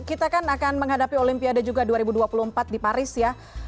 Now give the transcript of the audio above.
kita kan akan menghadapi olimpiade juga dua ribu dua puluh empat di paris ya